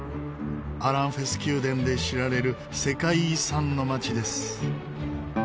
アランフェス宮殿で知られる世界遺産の街です。